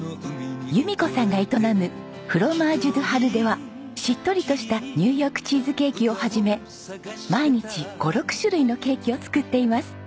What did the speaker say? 弓子さんが営むｆｒｏｍａｇｅｄｅＨＡＲＵではしっとりとしたニューヨークチーズケーキを始め毎日５６種類のケーキを作っています。